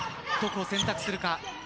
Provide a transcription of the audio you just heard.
どこを選択するか。